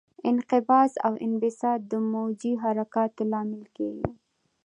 انقباض او انبساط د موجي حرکاتو لامل کېږي.